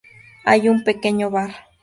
Hay un pequeño bar.